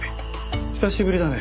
久しぶりだね。